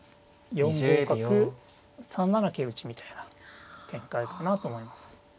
五角３七桂打みたいな展開かなと思います。